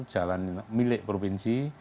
jalan milik provinsi